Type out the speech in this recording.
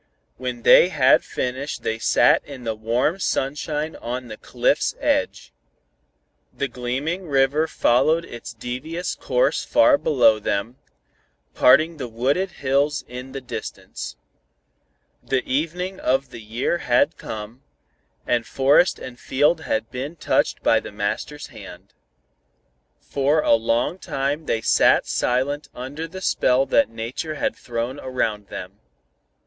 When they had finished they sat in the warm sunshine on the cliff's edge. The gleaming river followed its devious course far below them, parting the wooded hills in the distance. The evening of the year had come, and forest and field had been touched by the Master's hand. For a long time they sat silent under the spell that nature had thrown around them.